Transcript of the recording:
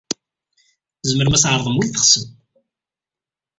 Tzemrem ad d-tɛerḍem win teɣsem.